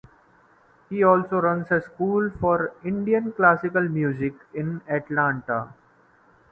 He also runs a school for Indian classical music in Atlanta.